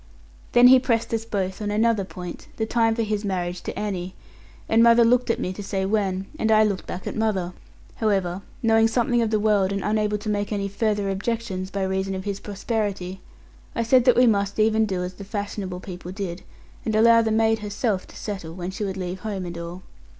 Then he pressed us both on another point, the time for his marriage to Annie; and mother looked at me to say when, and I looked back at mother. However, knowing something of the world, and unable to make any further objection, by reason of his prosperity, I said that we must even do as the fashionable people did, and allow the maid herself to settle, when she would leave home and all.